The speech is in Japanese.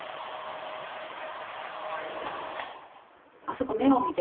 あそこ目を見て。